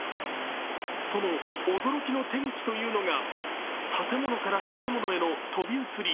その驚きの手口というのが建物から建物への飛び移り。